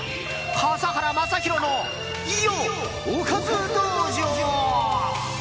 笠原将弘のおかず道場。